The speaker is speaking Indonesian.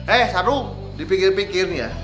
eh sadu dipikir pikirnya